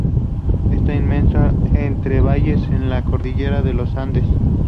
Está inmerso entre valles de la cordillera de los Andes.